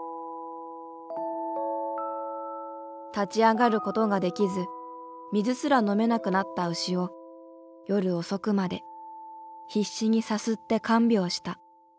立ち上がることができず水すら飲めなくなった牛を夜遅くまで必死にさすって看病した。